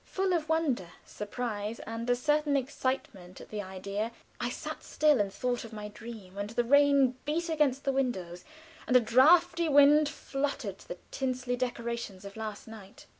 Full of wonder, surprise, and a certain excitement at the idea, I sat still and thought of my dream, and the rain beat against the windows, and a draughty wind fluttered the tinselly decorations of last night.